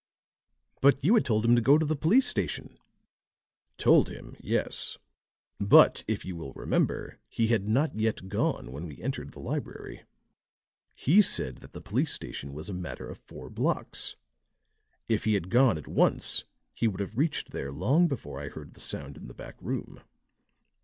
"But you had told him to go to the police station." "Told him yes. But if you will remember, he had not yet gone when we entered the library. He said that the police station was a matter of four blocks; if he had gone at once he would have reached there long before I heard the sound in the back room.